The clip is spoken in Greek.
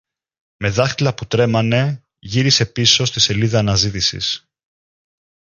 Με δάχτυλα που τρέμανε γύρισε πίσω στη σελίδα αναζήτησης